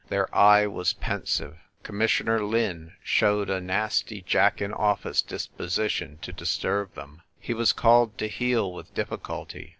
Their eye was pensive. Com missioner Lin showed a nasty Jack in office disposition to disturb them. He was called to heel with difficulty.